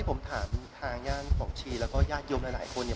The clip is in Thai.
ผมถามทางย่านของชีและยาดยมหลายคน